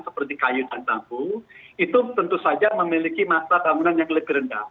seperti kayu dan bambu itu tentu saja memiliki masa bangunan yang lebih rendah